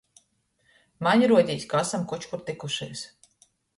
Maņ ruodīs, ka asam koč kur tykušīs.